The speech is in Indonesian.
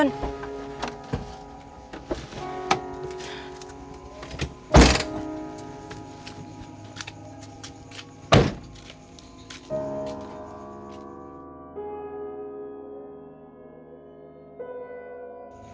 yang mana rumahnya